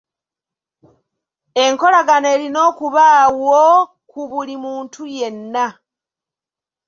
Enkolagana erina okubaawo ku buli muntu yenna.